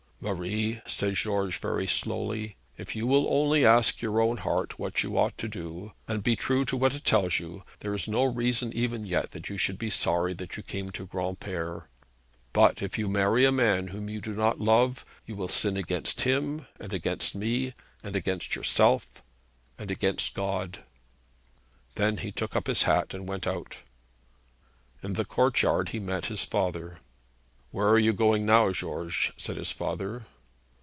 'Marie,' said George very slowly, 'if you will only ask your own heart what you ought to do, and be true to what it tells you, there is no reason even yet that you should be sorry that you came to Granpere. But if you marry a man whom you do not love, you will sin against him, and against me, and against yourself, and against God!' Then he took up his hat and went out. In the courtyard he met his father. 'Where are you going now, George?' said his father.